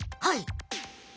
はい。